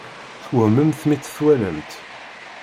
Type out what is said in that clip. Twehmemt mi tt-twalamt?